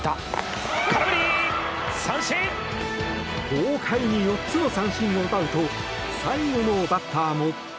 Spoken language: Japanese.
豪快に４つの三振を奪うと最後のバッターも。